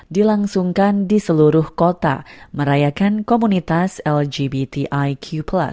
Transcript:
dilangsungkan di seluruh kota merayakan komunitas lgbtiq